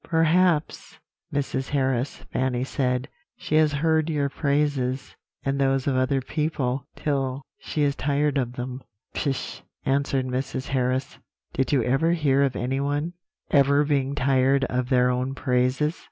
"'Perhaps, Mrs. Harris,' Fanny said, 'she has heard your praises, and those of other people, till she is tired of them.' "'Pish!' answered Mrs. Harris; 'did you ever hear of anyone ever being tired of their own praises?